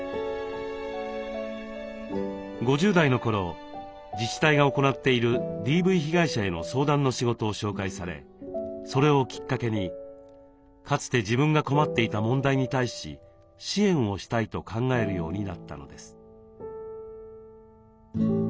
５０代の頃自治体が行っているＤＶ被害者への相談の仕事を紹介されそれをきっかけにかつて自分が困っていた問題に対し支援をしたいと考えるようになったのです。